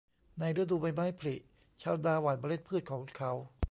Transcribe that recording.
ในฤดูใบไม้ผลิ ชาวนาหว่านเมล็ดพืชของเขา